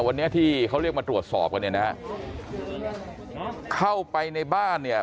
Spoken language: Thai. วันนี้ที่เขาเรียกมาตรวจสอบกันเนี่ยนะฮะเข้าไปในบ้านเนี่ย